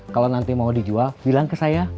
kalau nanti mau dijual bilang ke saya